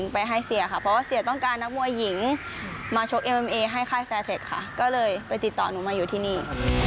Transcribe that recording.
ไปติดต่อหนูมาอยู่ที่นี่